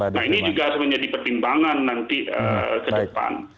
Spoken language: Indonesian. nah ini juga sebenarnya dipertimbangkan nanti ke depan